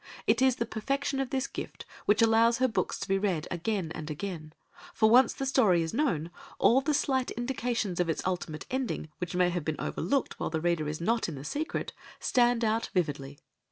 It is the perfection of this gift which allows her books to be read again and again, for once the story is known, all the slight indications of its ultimate ending, which may have been overlooked while the reader is not in the secret, stand out vividly.